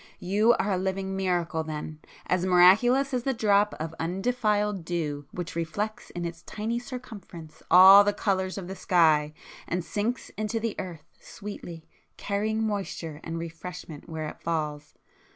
You are a living miracle then,—as miraculous as the drop of undefiled dew which reflects in its tiny circumference all the colours of the sky, and sinks into the earth sweetly, carrying moisture and refreshment where it falls.